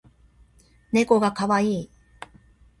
ねこがかわいい